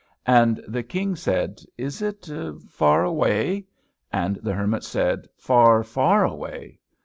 And the King said, "Is it far away?" And the Hermit said, "Far, far away."